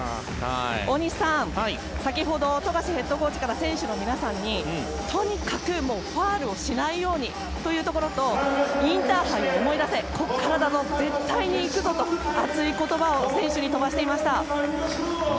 大西さん、先ほど富樫ヘッドコーチから選手の皆さんにとにかくファウルをしないようにというところとインターハイを思い出せここからだぞ絶対に行くぞと、熱い言葉を選手に飛ばしていました。